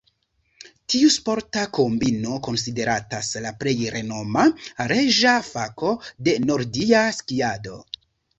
Tiu sporta kombino konsideratas la plej renoma, "reĝa fako" de nordia skiado.